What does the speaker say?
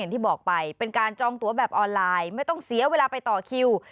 ที่บอกไปเป็นการจองตัวแบบออนไลน์ไม่ต้องเสียเวลาไปต่อคิว